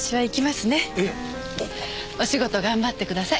お仕事頑張ってください。